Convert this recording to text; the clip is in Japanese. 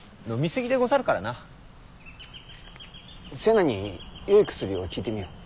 瀬名によい薬を聞いてみよう。